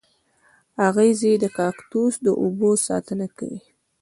اغزي د کاکتوس د اوبو ساتنه کوي